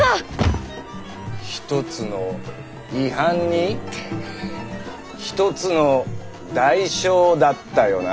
ひとつの違反にひとつの代償だったよな。